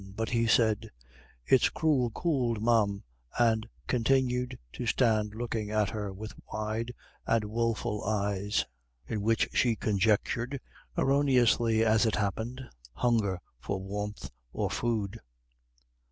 But he said, "It's cruel could, ma'am," and continued to stand looking at her with wide and woful eyes, in which she conjectured erroneously, as it happened hunger for warmth or food.